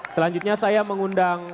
selanjutnya saya mengundang